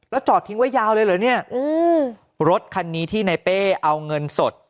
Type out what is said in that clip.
จอดทิ้งไว้ยาวเลยเหรอเนี่ยรถคันนี้ที่ในเป้เอาเงินสด